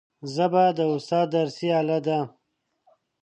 ژبه د استاد درسي آله ده